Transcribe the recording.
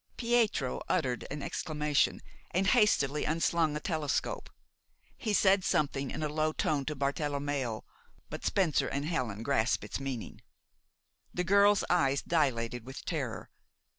Pietro uttered an exclamation, and hastily unslung a telescope. He said something in a low tone to Bartelommeo; but Spencer and Helen grasped its meaning. The girl's eyes dilated with terror.